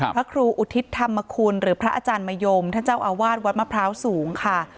พระครูอุทิศธรรมคุณหรือพระอาจารย์มะยมท่านเจ้าอาวาสวัดมะพร้าวสูงค่ะ